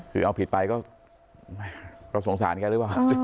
คือเอาผิดไปก็สงสารแกหรือเปล่า